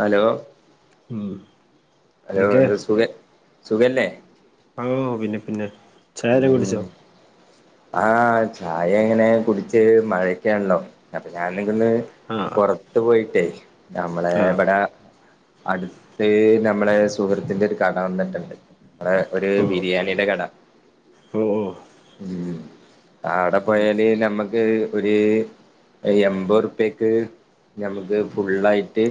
Hello ഉം hello എന്തൊക്കെ എന്താ സുഖ സുഖല്ലേ ആ ഹ് പിന്നെ പിന്നെ ചായ ഉം കുട്ടിച്ചോ ആഹ് ചായ എങ്ങനെ കുടിച്ച് മഴക്കാണല്ലോ അപ്പൊ ഞാൻ നിക്ക ഒന് ആഹ് പുറത്തു പോയിട്ടേ നമ്മളെ ആഹ് ഇവിടെ അടുത്ത് നമ്മളെ സുഹൃത്തിന്റെ ഒരു കട വന്നിട്ടുണ്ട് നമ്മടെ ഒരു ഓ ബിരിയാണിയുടെ കട ഓ ഓ ഉം അവിടെ ഉം പോയാല് നമ്മുക്ക് ഒരു എൺമ്പത് റുപ്പ്യക്ക് നഞമക്ക് ഫുള്ളായിട്ട്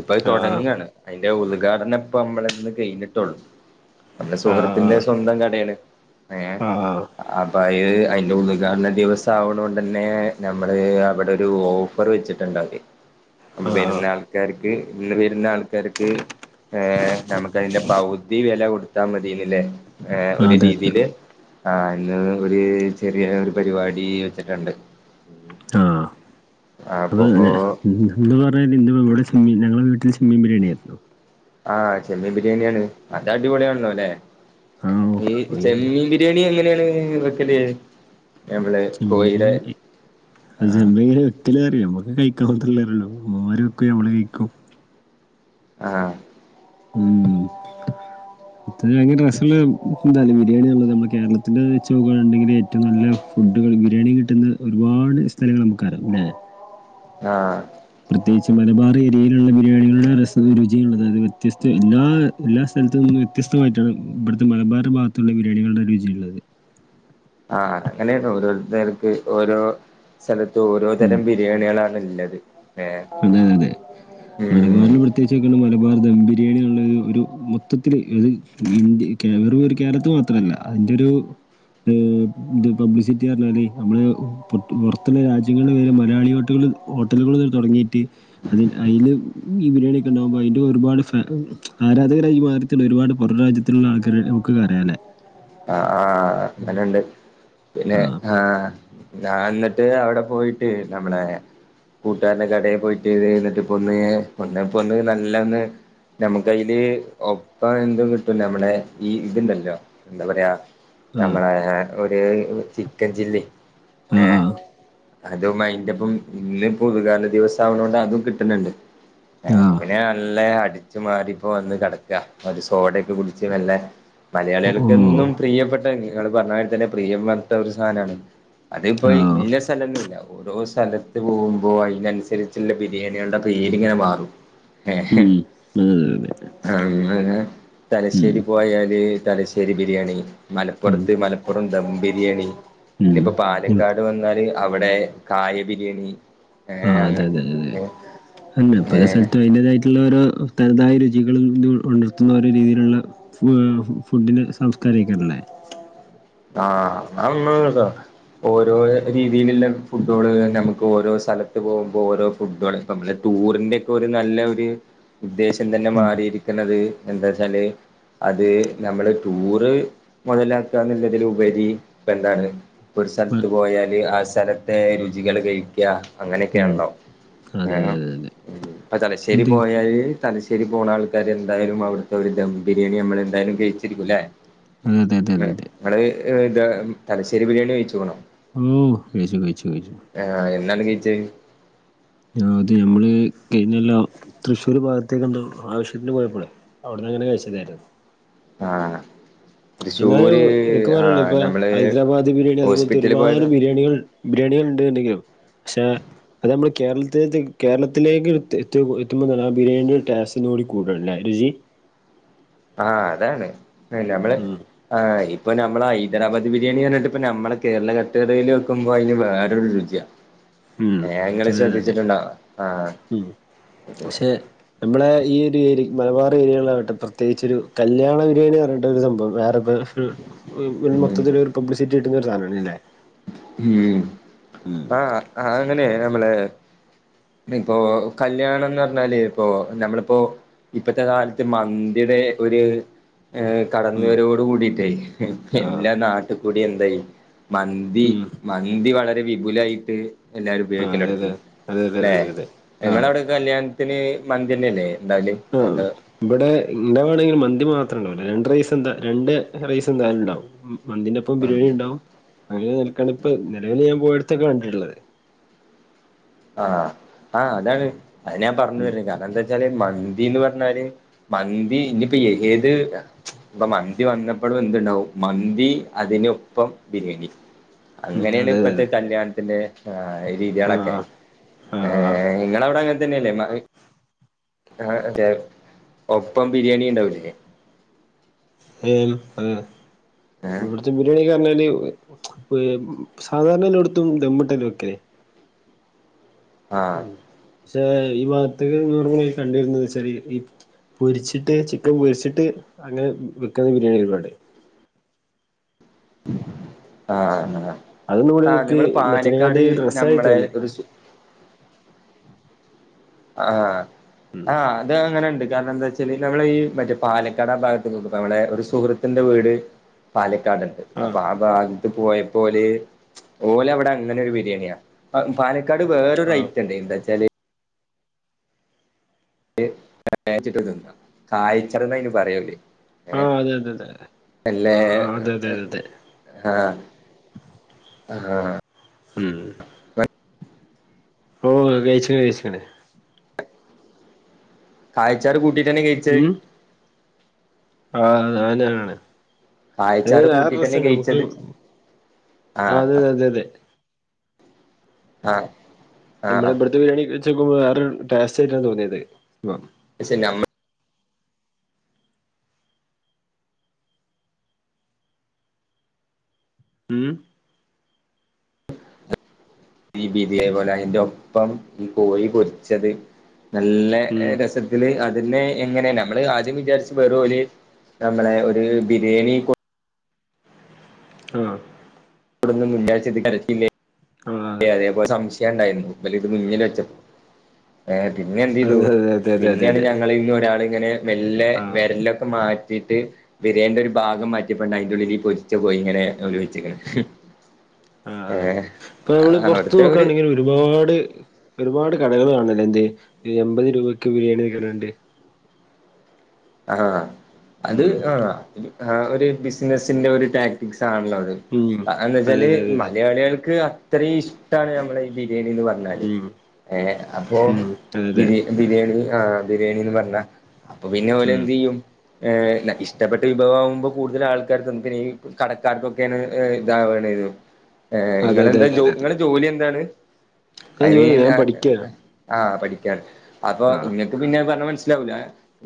ഇപ്പൊ അത് ആഹ് തുടങ്ങാണ് അതിന്റെ ഉദ്ഘാടനം ഇപ്പ നമ്മളന്ന് കഴിഞ്ഞിട്ടുള്ളു നമ്മുടെ ആഹ് സുഹൃത്തിന്റെ ആഹ് സ്വന്തം കടയാണ് ഏഹ് ആഹ് അപ്പ അത് അതിന്റെ ഉദ്ഘാടന ദിവസം ആവുന്ന കൊണ്ട് തന്നെ നമ്മള് അവിടെ ഒരു ഓഫർവെച്ചിട്ടുണ്ടതി അപ്പൊ ആഹ് വരുന്ന ആൾക്കാർക്ക് ഇന്ന് വരുന്ന ആൾക്കാർക്ക് ഏഹ് നമുക്ക് അതിന്റെ പൗ ഉതി വില കൊടുത്താ മതിയന്നില്ലേ ഏഹ് ഒരു അതെ അതെ രീതിയില് ആഹ് ഇന്ന് ഒരു ചെറിയ ഒരു പരിപാടി വെച്ചിട്ടുണ്ട് ആ ഹ് ബഹു എന്ന് പറഞ്ഞാൽ ഇന്ന് ഇവിടെ ചെമ്മി ഞങ്ങളെ വീട്ടിൽ ചെമ്മിൻ ബിരിയാണി ആയിരുന്നു ആഹ് ചെമ്മീൻ ബിരിയാണിയാണ് അത് അടിപൊളിയ ആണല്ലോ അല്ലെ ആഹ് ഈ പോയെന്താ ചെമ്മീൻ ബിരിയാണി എങ്ങനെയാണ് വെക്കല് നമ്മള് ചെമ്മീൻ കോഴിയുടെ ബിരിയാണി ആ ഒല് അറിയ നമുക്ക് കഴിക്കാൻ മാത്രല്ലേ അറിയൂ ഉമ്മമാരൊക്കെ വെക്കും നമ്മള് കഴിക്കും ആഹ് [unintelligible] ഡ്രെസ്സില് എന്താ മീഡിയലലുള്ളത് നമ്മുടെ കേരളത്തില് വെച്ച് നോക്കുകയാണുണ്ടെങ്കിൽ ഏറ്റവും നല്ല ഫുഡുകൾ ബിരിയാണി കിട്ടുന്ന ഒരുപാട് സ്ഥലങ്ങൾ നമുക്കറിയാം ലെ ആഹ്. പ്രത്യേകിച്ച് മലബാറെരിയയിലുള്ള ബിരിയാണികളുടെ രസവും രുചിയു മുള്ളത് വ്യത്യസ്ത എല്ലാ എല്ലാ സ്ഥലത്തുന്നും വ്യത്യസ്തമായിട്ടാണ് ഇബട്ത്തെ മലബാറ്ഭാഗത്തുള്ള ബിരിയാണികളുടെ രുചിയുള്ളത്. ആഹ്, അതങ്ങനെയാണ്. ഓരോരുത്തർക്ക് ഓരോ സ്ഥലത്തും ഓരോ തരം ഉം ബി രിയാണികളാണ് ഇള്ളത്. അതെ, അതെ മലബാറില് പ്ര പ്രത്യേകിച്ചോക്കാണെങ്കില് മലബാറ് ദം ബിരിയാണികളില് ഒരു മൊത്തത്തില് അത് ഇന്ത്യ വേറൊരു കേരളത്തിൽ മാത്രമല്ല അതിന്റൊരു ഇത് ഇത് പബ്ലിസിറ്റി പറഞ്ഞാല് നമ്മള് പൊ പൊറത്തുള്ള രാജ്യങ്ങളില് വരെ മലയാളി ഹോട്ടലുകള് ഹോട്ടലുകള് തൊടങ്ങിട്ട് അതി അയില് മീൻ ബിരിയാണിയൊക്കെ ഉണ്ടാവുമ്പോൾ അയിന്റെ ഒരുപാട് ഫാ ആരാധകരായി ഈ ഭാകത്തുള്ള ഒരുപാട് പൊറം രാജ്യത്തുള്ള ആൾക്കാര് നമുക്ക് അറിയല്ലേ ആഹ്, ആഹ് അങ്ങനെണ്ട്. പിന്നെ ആ ആഹ് ഞാൻ എന്നിട്ട് അവിടെ പോയിട്ട് നമ്മളെ കൂട്ടാരന്റെ കടയിൽ പോയിട്ട് എന്നിട്ട് പൊന്ന് പൊന്ന്, പൊന്ന് നല്ലൊന്ന് നമ്മക്കയില് ഒപ്പം എന്തും കിട്ടും നമ്മുടെ ഈ ഇത്ണ്ടല്ലോ എന്താ പറയാ ആ നമ്മളെ ഒര് ചിക്കൻ ചില്ലി. ആ ഏഹ് അതും അയിന്റെപ്പം ഇന്ന് ഉദ്ഘാടന ദിവസാവുന്നൊണ്ട് അതും കിട്ട്ന്ണ്ട്. ഏഹ്, ആ അപ്പം പിന്നെ ആ നല്ല അടിച്ചു മാറി ഇപ്പ വന്ന് കടക്കാ ഒരു സോഡെയെക്കകുടിച്ചുവല്ലെ ഓ മലയാളികൾക്കെന്നും- പ്രിയപ്പെട്ട ഇങ്ങള് പറഞ്ഞമാതിരി തന്നെ പ്രിയം പറഞ്ഞിട്ടൊരു സാനാണ്. അതിപ്പം ആ ഇഞ്ഞ സ്ഥലംന്നില്ല ഓരോ സ്ഥലത്ത് പോവുമ്പോ അയിനനുസരിച്ച്ള്ള ബിരിയാണികളുടെ പേരിങ്ങനെ മാറും. ഏഹ് ഹ്മ്മ് അങ്ങനെ, തലശ്ശേരി പോയാല് തലശ്ശേരി ബിരിയാണി. ഉം മലപ്പുറത്ത് മലപ്പുറം ദം ബിരിയാണി. ഉം ഇന്നിപ്പോ ഉം പാലക്കാട് വന്നാല് അവിടെ കായ ബിരിയണി- ആഹ് അതെ അതെ ല്ലേ ഏ [unintelligible] ഏ സ്ഥല്ത്ത് അതിൻ്റെതായി- ത്തില്ലോരോ തനതായ രുചികളും ണ്ട് ഉളർത്തുന്ന ഓരോ രീതിയിലുള്ള ഫു ഫുഡിന് സംസ്കാരിക്കണ്ടല്ലേ- ആഹ് [unintelligible] ഓരോ രീതിയിലുള്ള ഫുഡോള് അന്നെ നമ്മക്ക് ഓരോ സ്ഥലത്ത് പോകുമ്പോ ഓരോ ഫുഡോള് നമ്മുടെ ടൂറിന്റെ ക്കെ ഒരു നല്ല ഒരു ഉദ്ദേശം തന്നെ ഉം മാറിയിരി ക്ക്‌ണത് എന്താച്ചാല് അത് ഞമ്മള് ടൂറ് മൊതലാക്കാന്ന്ള്ള അതിലുപരി പ്പെന്താണ് ഇപ്പൊരു സെലത്ത് പ- പോയാല് ആഹ് സെലത്തെ രുചികള് കഴിക്ക ഉം അങ്ങനെക്കെണല്ലോ അതെ അതെ അതെ അതെ ആഹ് തലശ്ശേരി എന്നിട്ട് പോയാല് തലശ്ശേരി പോണ ആൾക്കാര് എന്തായാലും അവിട്ത്തെ ഒരു ദംബിരിയാണി നമ്മള് എന്തായാലും കഴിച്ചിരിക്കും ലെ അതെ അതെ അതെ ഇങ്ങള് ഇത് തലശ്ശേരി ബിരിയാണി കഴിച്ച്ക്ക്ണോ? ഓഹ് കയിച്ചു കയിച്ചു കയിച്ചു ആഹ് എന്നാണ് കയിച്ചെ? ആഹ് അത് ഞമ്മള് കഴിഞ്ഞോല്ലം തൃശ്ശൂർ ഭാഗത്തേക്കെന്തൊ ആവശ്യത്തിന് പോയപ്പളെ ഔട്ന്നങ്ങനെ കഴിച്ചെതെരം ആഹ് എന്നാലും തൃശ്ശൂര് ഇൻക്ക് ആഹ് പറയാന്ള്ളെ നമ്മള് ഹൈദരാബാദ് ബിരിയാണി അതുപോൽത്തെ ഹോസ്പിറ്റലിൽ ഒരുപാട് പോയതാ ബിരിയാണികൾ ബിരിയാണികള്ണ്ട്ണ്ടെങ്കിലും പക്ഷേ അത് അമ്മള് കേരളത്തില് കേരളത്തിലേക്ക് എ എത്തുമ്പോൾ ആ ബിരിയാണിന്റെ ടെസ്റ്റ് ഒന്നും കൂടെ കൂടണല്ലേ രുചി ആഹ് അതാണ് നമ്മള് ഉം ആഹ് ഇപ്പോ ഞമ്മളെ ഹൈദരാബാദ് ബിരിയാണി പർഞ്ഞിട്ട് ഇപ്പോ ഞമ്മളെ കേരള തട്ട്കടയില് വെക്കുമ്പോ അയിന് വേറൊരു രുചിയാ ഉം ഏഹ് ഇങ്ങള് അതെ അതെ അതെ ശ്രദ്ധിച്ചിട്ടുണ്ടോ ആഹ് ഉം പക്ഷെ നമ്മളെ ഈ ഒരു ഏരിയെ മലബാർ ഏരിയ [unintelligible] പ്രത്യേകിച്ചോരു കല്യാണ ബിരിയാണി പർഞ്ഞിട്ടൊരു സംഭവം വേറെ ഉം മൊത്തത്തിലൊരു പബ്ലിസിറ്റി കിട്ടുന്ന ഒരു സാധനാണ്ല്ലേ ഉം ഉം ആഹ്‌ ആഹ്‌ അങ്ങനെ നമ്മളെ ഇപ്പോ കല്യാണംന്ന് പർഞ്ഞാല് ഇപ്പോ നമ്മള്പ്പോ ഇപ്പത്തെ കാൽത്ത് മന്തിടെ ഒര് ഏഹ്‌ ഉം കടന്നുവരവോട് കൂടിയിട്ടെയി ആഹ് എല്ലാ നാട്ട്കൂടി എന്തായി മന്തി. ഉം മന്തി വളരെ വിപുലായിട്ട് എല്ലാരും ആഹ് അതെ ഉപയോഗിക്കലെടുത്തി അതെ അതെ അതെ ല്ലെ അതെ അതെ ആഹ് നിങ്ങളവ്ടെ കല്യാണത്തിന് മന്തിയന്നെയല്ലേ ഉണ്ടാവല്. ആഹ്‌ ഇവ്ടെ ഇന്റെവ്ടെങ്കിൽ മന്തി മാത്രം ഉണ്ടാവുല്ല രണ്ട് റൈസ് എന്താ രണ്ട് റൈസ് എന്തായാലും ഉണ്ടാവും. ഉം മന്തിന്റെ ഒപ്പം ബിരിയാണി ഉണ്ടാവും അങ്ങനെ നിലക്കാണ് ഇപ്പോ നിലവിൽ ഞാൻ പോയടത്തൊക്കെ കണ്ടിട്ട്ള്ളത്. ആഹ്‌ ആഹ് അതാണ് അത് ഞാൻ പറഞ്ഞു ഉം വര കാരണം എന്താ വെച്ചാല് മന്തിന്ന് പറഞ്ഞാല് മന്തി ഇനിപ്പോ ഏത് ഇപ്പം മന്തി വന്നപ്പളും എന്തുണ്ടാവും മന്തി അതിനോപ്പം ബിരിയാണി. ഉം അങ്ങനെണ് അതെ അതെ ഇപ്പത്തെ അതെ കല്യാണത്തിന്റെ ഏഹ് രീതിയെളൊക്കെ ആഹ് ആഹ് ആഹ് ഏഹ്, ഇങ്ങളവുടെ അങ്ങനെ തന്നെയല്ലേ [unintelligible] ആഹ്‌ അതെ ഒപ്പം ബിരിയാണിണ്ടാവൂലേ ആഹ് ഏഹ്‌ ബിരിയാണി പറഞ്ഞാല് സാധാരണ എല്ലോട്ത്തും ദമ്മിട്ടല്ലെ വെക്കല്. ഉം ആഹ് പക്ഷേ ഈ ഭാഗത്ത്ക്ക്ന്ന് പർഞ്ഞ് കഴിഞ്ഞ കണ്ടിരുന്നത്ച്ചാൽ ഈ പൊരിച്ചിട്ട് ചിക്കൻ പൊരിച്ചിട്ട് അങ്ങനെ വെക്കുന്ന ബിരിയാണി ഒരുപാട്. ആഹ്‌ ഉം ആഹ്‌ അതൊന്നും കൂടി ആഹ്‌ എനിക്ക് ഞമ്മൾ മറ്റേനെക്കാട്ടി പാലക്കാട് ഡ്രസ്സായി നമ്മളെ തോന്നി ഒരു സു ആഹ് ആഹ്, അത് അങ്ങനെണ്ട്. കാരണം എന്താച്ചാല് നമ്മളെ ഈ മറ്റെ പാലക്കാട് ആ ഭാഗത്ത് നിന്ന് നമ്മളെ ഒരു സുഹൃ ത്തിന്റെ വീട് പാലക്കാട്ണ്ട്. അപ്പ ആഹ് ആ ഭാഗത്ത് പോയപ്പോല്, ഓലവിടെ അങ്ങനൊരു ബിരിയാണിയാ പ പാലക്കാട് വേറൊര് ആഹ് ഐറ്റണ്ട്. എന്താച്ചാല് അത് [unintelligible] ച്ചിട്ട് തിന്ന, കായ്ച്ചത് ന്ന് പറയോല്. ഏഹ് ആഹ് അതെ അതെ അതെ അല്ലേ ആഹ് ആഹ് അതെ അതെ അതെ അതെ [inaudible] ആഹ്, ആഹ് ഹ്മ്മ് ഓഹ്, കഴിച്ച്ണ് കഴിച്ചിണ്. ആഴച്ചാറും കുട്ടിട്ടന്നെ കഴിച്ചേ ഉം ആഹ്, അതന്നാണ്. അത് കായച്ചാറ് കൂട്ടിട്ടന്നെ വേറൊരസാണ് നമുക്ക്, കഴിച്ചത് ആഹ് അതെതെതെ ആഹ് നമ്മളെ ആഹ് ഇബടത്തെ ബിരിയാണി വെച്ചോക്കുമ്പോൾ വേറൊരു ടേസ്റ്റായിട്ടാണ് തോന്നിയത്. പ ക്ഷെ നമ്മ മ് ഈ ബീതിയായി പോലെ അയിന്റൊപ്പം ഈ കോഴി പൊരിച്ചത് നല്ല ഉം രസത്തില് അതന്നെ എങ്ങനെ, നമ്മള് ആദ്യം വിചാരിച്ചും വെറും ഓല് നമ്മളെ ഒര് ബിരിയാണി കൊ ആഹ് [unintelligible] എ ആഹ് അതേപോലെ സംശയംണ്ടായിന്നു വല് ത് മുന്നിൽ വെച്ച ഏ പിന്നെ എന്തെയ്തു. അതെ അതെ അതെ അതെ അതെ പിന്നെണ് അതെ ഞങ്ങിന്ന് ഒരാള് ങ്ങനെ മെല്ലെ ആഹ് വെര്ലൊക്കെ മാറ്റിട്ട്. ബിര്യേന്റെ ഒരു ഭാഗം മാറ്റ്യപ്പണ്ട് അയ്ന്റുള്ളി ലീ പൊര്ച്ച കോയി ങ്ങനെ ഓല് വെച്ചക്കണ്. ഏഹ്. പ്പ മ്മള് പൊർത്ത് അവിടുത്തെ ഒരു നോക്കാണെങ്കിൽ രുപാട് ഒരുപാട് കടകൾ കാണല്ലേ എന്തെ എമ്പത് രൂപക്ക് ബിരിയാണി നൽക്ണണ്ട്. ആഹ് അത് ഉം ആഹ് ആ ഒര് ബിസിനസിന്റെ ഒരു ടാക്ടിക്സ് ആണല്ലോ അത്. ഉം അതെ കാരണന്തെയ്ച്ചാല് അതെ അതെ അതെ മലയാള്യൾക്ക് അത്രി ഇഷ്ടാണ് ഞമ്മള ഈ ബിരിയാണിന്ന് പർ- ന്നാല് ഉം ഏഹ് അപ്പോ ഉം അതെ അതെ ബിരി ബിര്യണി ആഹ്. ബിര്യണിന്ന് പർഞ്ഞ അപ്പ പിന്നെ ഉം ഓലെന്തെയ്യും. ഏ ല്ല ഇഷ്ടപ്പെട്ട വിഭവംമാവുമ്പൊ കൂടുതൽ ആൾക്കാർ നമക്ക് കടക്കാർക്കൊക്കെണ് ഏ ഇതവണ ന്നു. ഏന് അതെ അതെ ങ്ങളെന്താ അതെ ജോ അതെ അതെ ങ്ങള് ജോലി എന്താണ് ഞാൻ ഐ ജോലി മീൻ. ഞാൻ പഠിക്കാണ് ആഹ് പഠിക്കണ് അപ്പൊ ആഹ് നിങ്ങക്ക് പിന്നെ പറഞ്ഞാ മൻസ്സിലാവൂല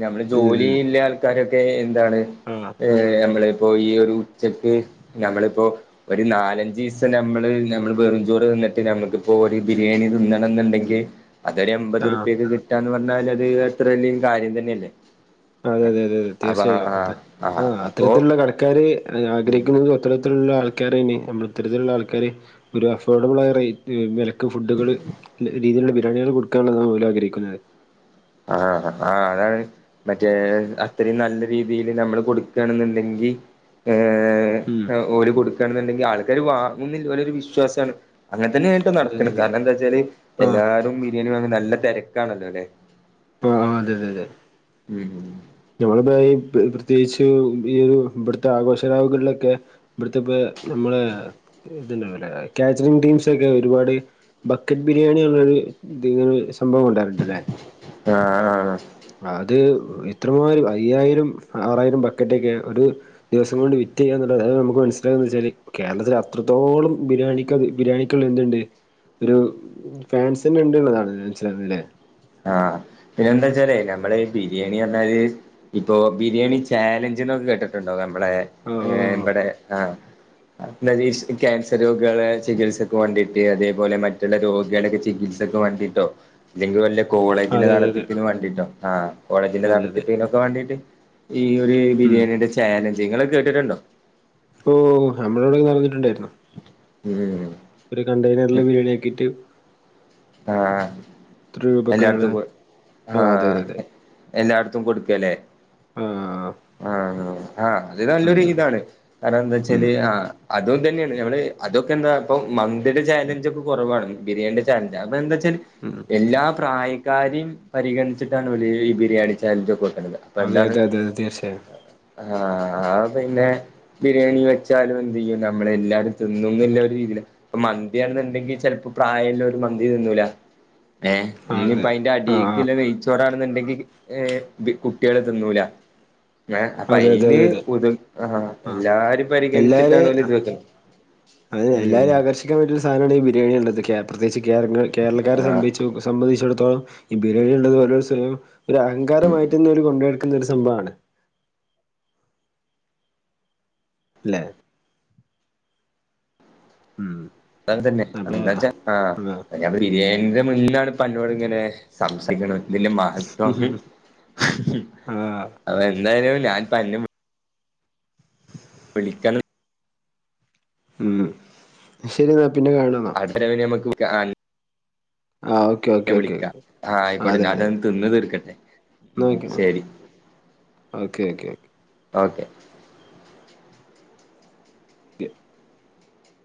നമ്മള് ജോലി ഇല്ലാത്- കാര്യൊക്കെ എന്താണ്? ന്ന. ഏ നമ്മളിപ്പോ ഈ ഒരു ഉച്ചക്ക് ഞമ്മളിപ്പോ. ഒര് നാലഞ്ചീസം ഞമ്മള് ഞമ്മള് ബെറുംചോറ് തിന്ന്ട്ട് നമ്മുക്കിപ്പോ ഒര് ബിരിയാണി തിന്നണംന്ന്ണ്ടെങ്കി അതൊരു ആഹ് എമ്പത്റുപ്യക്ക് കിട്ടാന്ന് പറഞ്ഞാലത് എത്ര വെല്യ കാര്യം തന്നെയല്ലേ. അതെ ഏഹ് അതെ അതെ അതെ അപ്പൊ തീർച്ചയായും അതെ ആഹ് ആഹ് അപ്പൊ അത്തരത്തിലുള്ള കടക്കാര് ആഗ്രഹിക്ക്ന്നത് ഒത്താെരത്തിലുള്ള ആൾക്കാരേനീ നമ്മൾ ഇത്തരത്തില്ള്ള ആൾക്കാര് ഒരു അഫോർഡബിളായ റേറ്റ് വെലക്ക് ഫുഡുകള്. ല രീതിയിലുള്ള ബിരിയാണ്യൾ കൊട്ക്കാനുള്ളതാണ് ഓല് ആഗ്രഹിക്കുന്നത്. ആഹ് ആഹ് അതാണ്. മറ്റേ അത്രം നല്ല രീതില് നമ്മള് കൊടുക്കണെന്നുണ്ടെങ്കി ഏഹ്. ഉം എ ഓല് കൊട്ക്കാണ്ന്ന്ണ്ടെങ്കി ആൾക്കാര് വാങ്ങുന്നില് ഒലരു വിശ്വാസണ് അങ്ങനെ തന്നെ ട്ടും അതെ നട്ക്കല് അതെ അതെ കാരണ ന്തായ്ച്ചാല് ആഹ് എല്ലാരും ബിര്യണി വാങ്ങ നല്ല തെരക്കാണല്ലോ ല്ലെ? ആഹ് ആഹ് അതെ അതെ അതെ. ഉം. [unintelligible] പള ഈ പ് പ്രത്യേകിച്ച് ഈ ഒരു ഇവട്ത്തെ ആഘോഷ രാവുകൾലൊക്ക. ഇബട്ത്തെ പ്പേ നമ്മളെ ഇത്ണ്ടാവൂലേ കാച്ചറിങ് ടീംസാെക്കെ ഒര്പാട് ബക്കറ്റ് ബിര്യാണിന്ന്ള്ളൊര് ത്ങ്ങനെ സംഭവം കൊണ്ടാര്ട്ട്ല്ലേ ആഹ് ആഹ് അത് ഇത്രമാരം അയ്യായിരം, ആറായിരം ബക്കറ്റൊക്കെ ഒരു ദിവസം കൊണ്ട് വിറ്റ് ചെയ്യാ ർഞ്ഞ അത് നമുക്ക് മനസ്സ്ലാ വെച്ചാ കേരളത്തില് അത്രത്തോളം ബിരിയാണിക്കത് ബിയാണി ക്ക്ള് ഇണ്ട് ഇണ്ട് ഒരു ഫാൻസ് ണ്ട്ള്ളതാണ് മനസിലാവുലെ. ആഹ് പിന്നെന്താച്ചാലേ നമ്മള് ബിരിയാണി പറഞ്ഞാല് ഇപ്പോ ബിരിയാണി ചാലഞ്ച് എന്നൊക്കെ കേട്ട്ട്ടുണ്ടോ? നമ്മളെ ആ ഏഹ് ഇവടെ ആഹ് [unintelligible] ക്യാൻസർ രോഗികളെ ചികിത്സക്ക് വാണ്ടിട്ട് അതേപോലെ മറ്റുള്ള രോഗികളെ ചികിത്സ ഇതൊക്കേ വണ്ടിയിട്ടോ ഇല്ലങ്കി വല്ലെ ആ കോളേജിന്റെ അതെ അതെ അതെ നടത്തിപ്പിന് വണ്ടിട്ടോ ആഹ് കോളേജിന്റെ അതെ അതെ നടത്തിപ്പിനൊക്കെ വാണ്ടീട്ട്. ഈ ഒരു ഉം ബിരിയാണിയുടെ ചാലഞ്ച് നിങ്ങളൊക്കെ കേട്ടിട്ടുണ്ടോ ഓഹ് നമ്മളിവിടെ നടന്നിട്ടിണ്ടായിരുന്നു. ഉം ഒരു കണ്ടെയ്നർല് വീഡിയോ ആക്കിയിട്ട് ആഹ് എത്ര രൂപക്കാണ് എല്ലായിടത്തും പോ ആ അതെ ആഹ്. അതെ അതെ എല്ലാട്ത്തും കൊടുക്കലേ ആഹ് ആഹ് ആഹ് ആഹ് അത് നല്ലൊരു ഇതാണ്. കാരണം എന്താ ഉം വെച്ചാല് ആഹ് അതും ഇതന്നെയാണ് ഞമ്മള് അതൊ എന്താ ഇപ്പോ മന്തിലി ചാലഞ്ച് ഒക്കെ കൊറവാണ്. ബിരിയാണിൻ്റ ചാലഞ്ച് അപ്പ എന്താ വെച്ചാല് [unintelligible] എല്ലാ പ്രായക്കാരെയും പരിഗണിച്ചിട്ടാണ് ഇവല് ഈ ബിരിയാണി ചാലഞ്ച് ഒക്കെ വെക്കണ്ടത് പ്പ അതെ എന്താണ് അതെ അതെ അതെ തീർച്ചയായും ആഹ് പിന്നെ. ബിരിയാണി വെച്ചാലും എന്ത് ചെയ്യും നമ്മളെ എല്ലാരും തിന്നും ഇള്ളേ ഒരു രീതിലാ. ഇപ്പ മന്തിയാണെന്നുണ്ടെങ്കിൽ ചിലപ്പോ പ്രായള്ളോ മന്തി തിന്നൂല ഏ ആ ഇനിയിപ്പ അതെ അതിന്റെ അടി ആ ആ പിന്നെ നെയ്യ്ച്ചോറാണെന്നുണ്ടെങ്കിൽ ഹേ ബി കുട്ട്യള് തിന്നൂല. ആഹ് അപ്പൊ അതെ അതെ അയിന് അതെ അതെ ഉദ ആഹ് ആ എല്ലാരും പരിഗണിച്ചിട്ടാണ് ഓല് ഇത് വെക്ക് [inaudible] അതന്നെ എല്ലാരും ആകർഷിക്കാൻ വേണ്ടിള്ള സാനാണ് ഈ ബിരിയാണി ഇള്ളത്. കേ പ്രത്യേകിച്ച് കേരങ്ങൾ കേരളക്കാരെ ആ സംഭവിച്ചു. സംഭവിച്ചിടത്തോളം ഈ ബിരിയാണി ഇള്ളത് ഒരു സേ ഒരു അഹങ്കാരമായിട്ട് തന്നെ അവര് കൊണ്ടേ [unintelligible] ഒരു സംഭവം ആണ്. ല്ലേ ഉം അതങ്ങൻതന്നാ അത് അപ്പൊ എന്താച്ചാ ആ ആഹ് ഞാ ബിരിയാണിൻ്റെ മുന്നിലാണ് പ്പ അന്നോട് ഇങ്ങനെ സംസാരിക്കണത്. പിന്നെ മഹത്യാഹി ആ എന്തായാലും ഞാൻ പറഞ്ഞു വിളിക്ക ഉം ശരി ന്നാ പിന്ന കാണന്ന. അത്ര വലിയ നമുക്ക് ക ആഹ് പിന്നെ വിളിക്കാ ആഹ് അയിക്കോട്ടെ ഞാ ഇതൊന്ന് തിന്ന് തീർക്കട്ടെ എന്നാ ഉം ഓക്കെ ശെരി. ഓക്കെ ക്കെ ക്കെ ഓക്കെ [inaudible]